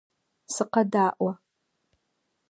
Сыкъэдаӏо!